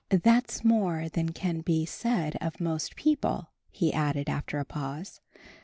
''That's more than can be said of most people," he added, after a pause.